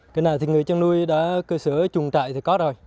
cái nào thì người chăn nuôi đã cơ sở chuồng trại thì có rồi